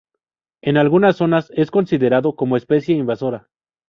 En algunas zonas, es considerado como especie invasora.